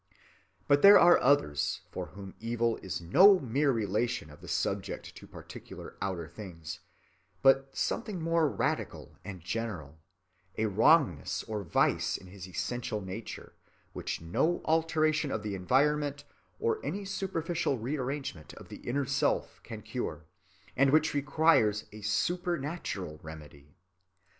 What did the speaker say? But there are others for whom evil is no mere relation of the subject to particular outer things, but something more radical and general, a wrongness or vice in his essential nature, which no alteration of the environment, or any superficial rearrangement of the inner self, can cure, and which requires a supernatural remedy.